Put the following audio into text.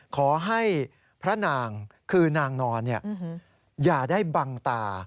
ขอให้พระนางคือนางนอนอย่าได้บังตา